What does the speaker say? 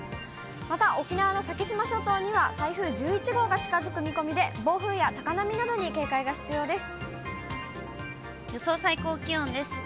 また沖縄の先島諸島には台風１１号が近づく見込みで、暴風や高波予想最高気温です。